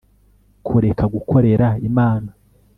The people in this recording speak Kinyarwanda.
kureka gukorera Imana